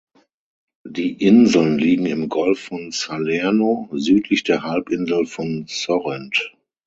Die Inseln liegen im Golf von Salerno, südlich der Halbinsel von Sorrent.